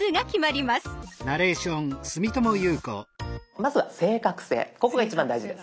まずは正確性ここが一番大事です。